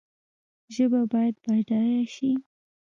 ژبه باید بډایه شي